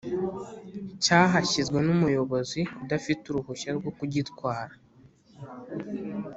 Cyahashyizwe n’umuyobozi udafite uruhushya rwo kugitwara